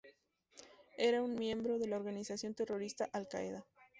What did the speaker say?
Era un miembro de la organización terrorista Al-Qaeda.